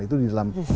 itu di dalam